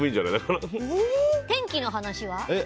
天気の話は？